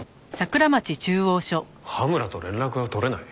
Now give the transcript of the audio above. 羽村と連絡が取れない？